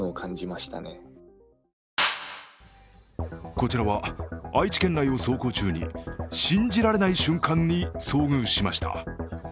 こちらは愛知県内を走行中に信じられない瞬間に遭遇しました。